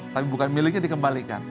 tapi bukan miliknya dikembalikan